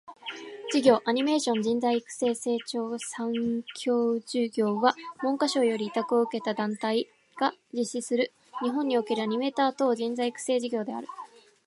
アニメーション人材育成調査研究事業（アニメーションじんざいいくせいちょうさけんきゅうじぎょう）は、文化庁より委託を受けた団体（後述）が実施する、日本におけるアニメーター等の人材育成事業である。